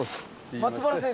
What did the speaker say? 松原先生？